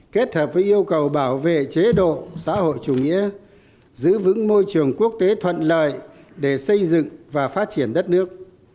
kết hợp với yêu cầu bảo vệ chế độ xã hội chủ nghĩa giữ vững môi trường quốc tế thuận lợi để xây dựng và phát triển đất nước